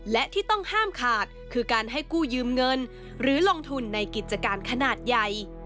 และที่ต้องห้ามขาดคือการให้กู้ยืมเงินหรือลงทุนในกิจการขนาดใหญ่